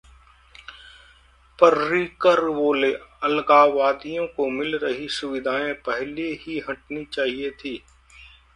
पर्रिकर बोले- अलगाववादियों को मिल रही सुविधाएं पहले ही हटनी चाहिए थी